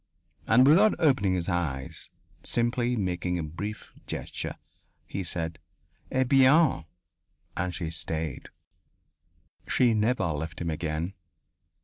And without opening his eyes, simply making a brief gesture, he said: "Eh bien." And she stayed. She never left him again.